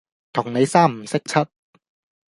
同你三唔識七